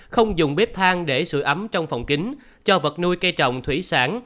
không dùng bếp than để sửa ấm trong phòng kính cho vật nuôi cây trồng thủy sản